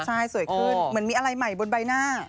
ใช่สวยขึ้นเหมือนมีอะไรใหม่บนใบหน้า